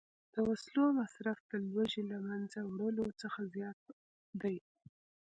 د وسلو مصرف د لوږې له منځه وړلو څخه زیات دی